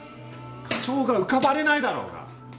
課長が浮かばれないだろうが。